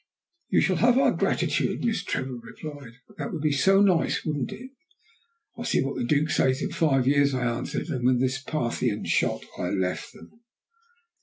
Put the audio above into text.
"You shall have our gratitude," Miss Trevor replied. "That would be so nice, wouldn't it?" "We'll see what the Duke says in five years," I answered, and with this Parthian shot I left them.